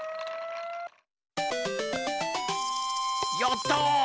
やった！